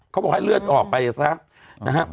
เค้าบอกให้เลือดออกไปซะนะฮะ